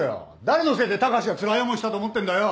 誰のせいで高志がつらい思いしたと思ってんだよ？